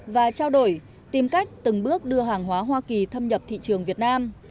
và trao đổi tìm cách từng bước đưa hàng hóa hoa kỳ thâm nhập thị trường việt nam